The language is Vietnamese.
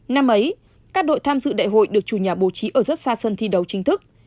năm ấy các đội tham dự đại hội được chủ nhà bố trí ở rất xa sân thi đấu chính thức